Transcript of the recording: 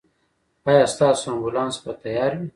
ایا ستاسو امبولانس به تیار وي؟